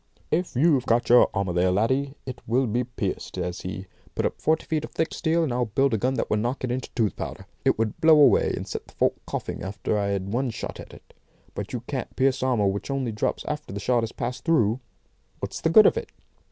"If you've got your armour there, laddie, it will be pierced," says he. "Put up forty feet thick of steel; and I'll build a gun that will knock it into tooth powder. It would blow away, and set the folk coughing after I had one shot at it. But you can't pierce armour which only drops after the shot has passed through. What's the good of it?